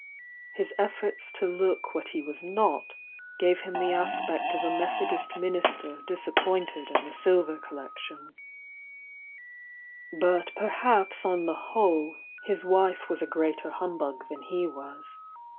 His efforts 74 THE YOUNG DIANA to look what he was not gave him the aspect of a Methodist minister disappointed m the silver col lection. ,.., i _ But perhaps on the whole, his wife was a greater humbug than he was.